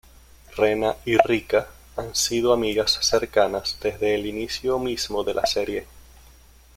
Rena y Rika han sido amigas cercanas desde el inicio mismo de la serie.